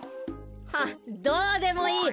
はっどうでもいい。